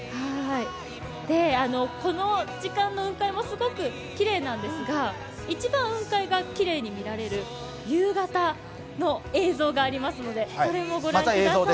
この時間の雲海もすごくきれいなんですが、一番雲海がきれいに見られる夕方の映像がありますのでそれも御覧ください。